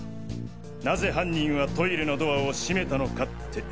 なぜ犯人はトイレのドアを閉めたのかって。